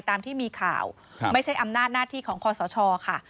ตามที่มีข่าวไม่ใช่อำนาจหน้าที่ของคอสชค่ะ